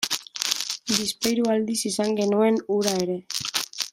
Bizpahiru aldiz izan genuen hura ere.